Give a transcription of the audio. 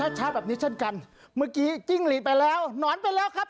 เช้าแบบนี้เช่นกันเมื่อกี้จิ้งหลีดไปแล้วหนอนไปแล้วครับ